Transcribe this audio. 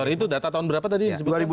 itu data tahun berapa tadi